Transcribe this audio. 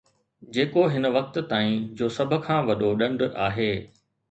جيڪو هن وقت تائين جو سڀ کان وڏو ڏنڊ آهي